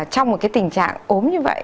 trong một cái tình trạng ốm như vậy